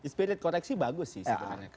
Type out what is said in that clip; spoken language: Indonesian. spirit koreksi bagus sih sebenarnya